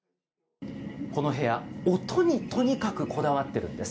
この部屋、音にとにかくこだわってるんです。